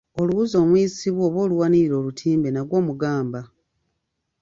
Oluwuzi omuyisibwa oba oluwanirira olutimbe nagwo mugamba.